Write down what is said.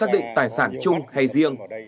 định tài sản chung hay riêng